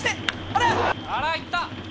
あら、行った。